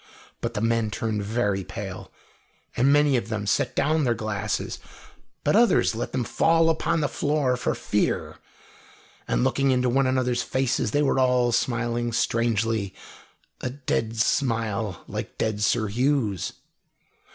But the men turned very pale, and many of them set down their glasses, but others let them fall upon the floor for fear. And looking into one another's faces, they were all smiling strangely, a dead smile, like dead Sir Hugh's.